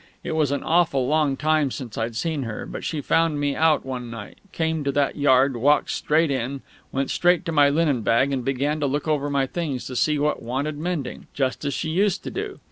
It was an awful long time since I'd seen her; but she found me out one night came to that yard, walked straight in, went straight to my linen bag, and began to look over my things to see what wanted mending, just as she used to.